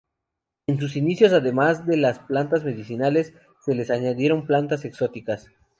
En sus inicios además de las plantas medicinales se les añadieron plantas exóticas.